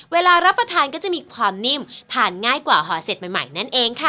เวลารับประทานก็จะมีความนิ่มทานง่ายกว่าห่อเสร็จใหม่นั่นเองค่ะ